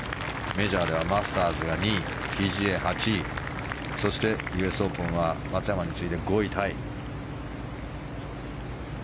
メジャーではマスターズが２位ＰＧＡ、８位そしてＵＳオープンは松山に次いで５位タイ。